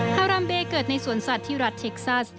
ฮารามเบเกิดในสวนสัตว์ที่รัฐเท็กซัส